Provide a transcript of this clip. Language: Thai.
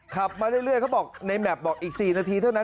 ขับมาเรื่อยเขาบอกในแมพบอกอีก๔นาทีเท่านั้น